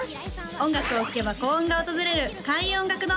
音楽を聴けば幸運が訪れる開運音楽堂